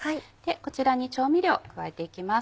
こちらに調味料を加えて行きます。